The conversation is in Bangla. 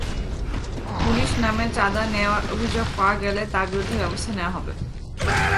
পুলিশের নামে চাঁদা নেওয়ার অভিযোগ পাওয়া গেলে তার বিরুদ্ধে ব্যবস্থা নেওয়া হবে।